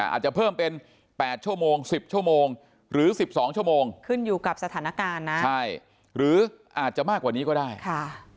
อาจจะเพิ่มเป็น๘ชั่วโมง๑๐ชั่วโมงหรือ๑๒ชั่วโมงขึ้นอยู่กับสถานการณ์นะใช่หรืออาจจะมากกว่านี้ก็ได้ค่ะ